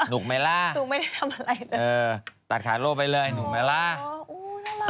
นุกไหมล่ะเออตัดขาดโลกไปเลยนุกไหมล่ะอ๋ออู้วน่ารัก